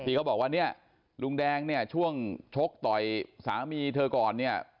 เขาบอกว่าเนี่ยลุงแดงเนี่ยช่วงชกต่อยสามีเธอก่อนเนี่ย